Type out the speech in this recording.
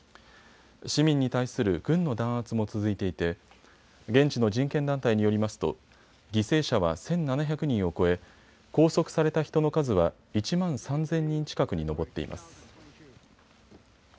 市民に対する軍の弾圧も続いていて現地の人権団体によりますと犠牲者は１７００人を超え拘束された人の数は１万３０００人近くに上っています。